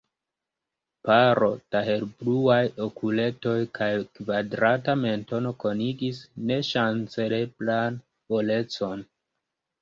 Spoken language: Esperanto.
Paro da helbluaj okuletoj kaj kvadrata mentono konigis neŝanceleblan volecon.